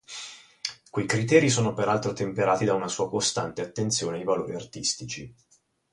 Quei criteri sono peraltro temperati da una sua costante attenzione ai valori artistici.